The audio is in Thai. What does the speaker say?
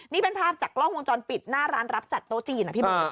นี่เป็นภาพจากกล้องวงจรปิดหน้าร้านรับจัดโต๊ะจีน